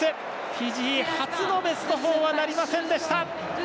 フィジー、初のベスト４はなりませんでした。